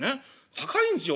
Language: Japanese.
高いんすよ